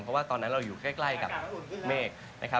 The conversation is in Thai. เพราะว่าตอนนั้นเราอยู่ใกล้กับเมฆนะครับ